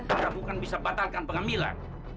kita bukan bisa batalkan pengambilan